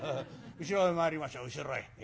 後ろへ回りましょう後ろへ。